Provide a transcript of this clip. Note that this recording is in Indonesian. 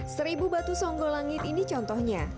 seribu batu songgolangit ini contohnya